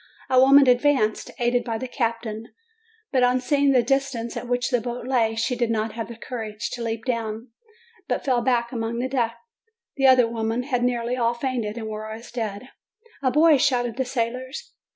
A woman advanced, aided by the captain; but on THE SHIPWRECK 337 seeing the distance at which the boat lay, she did not have the courage to leap down, but fell back upon the deck. The other women had nearly all fainted, and were as dead. "A boy !" shouted the sailors.